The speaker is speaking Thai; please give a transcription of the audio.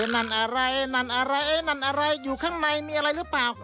นั่นอะไรอยู่ข้างในมีอะไรหรือเปล่า